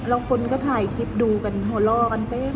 เราคนก็ถ่ายคลิปดูกันโหลอกันเต้ม